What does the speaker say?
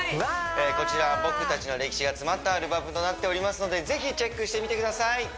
こちら僕達の歴史が詰まったアルバムとなっておりますのでぜひチェックしてみてください